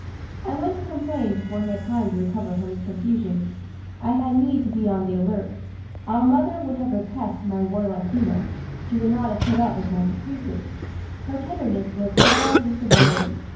"I went to complain before he had time to recover from his confusion. I had need to be on the alert. Our mother would have repressed my warlike humor, she would not have put up with my caprices. Her tenderness was allied with severity.